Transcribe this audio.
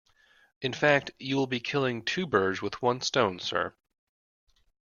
In fact, you will be killing two birds with one stone, sir.